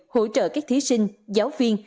hỗ trợ các thí sinh giáo viên